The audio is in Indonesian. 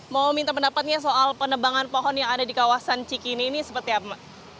mau minta pendapatnya soal penebangan pohon yang ada di kawasan cikini ini seperti apa